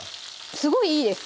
すごいいいです